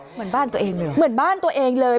เหมือนบ้านตัวเองเลยเหมือนบ้านตัวเองเลย